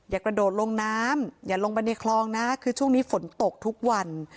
กระโดดลงน้ำอย่าลงไปในคลองนะคือช่วงนี้ฝนตกทุกวัน